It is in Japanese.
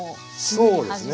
そうですね。